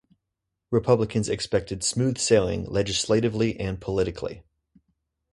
Republicans expected smooth sailing legislatively and politically.